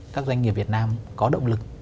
các doanh nghiệp việt nam có động lực